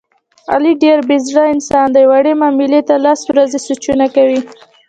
علي ډېر بې زړه انسان دی، وړې معاملې ته لس ورځې سوچونه کوي.